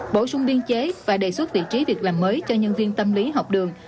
bổ sung biên chế và đề xuất vị trí việc làm mới cho nhân viên tâm lý học đường